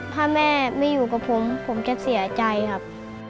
ถ้าแม่ไม่อยู่กับผมผมจะเสียใจครับ